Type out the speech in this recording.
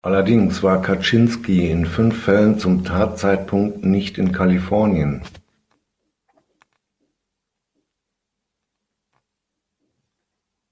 Allerdings war Kaczynski in fünf Fällen zum Tatzeitpunkt nicht in Kalifornien.